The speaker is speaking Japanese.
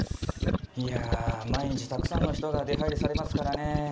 いやあ毎日たくさんの人が出入りされますからね。